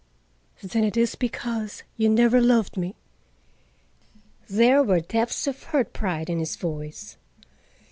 "Then it is because you have never loved me." There were depths of hurt pride in his voice.